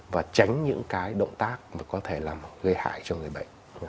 và tránh những cái động tác mà có thể làm gây hại cho người bệnh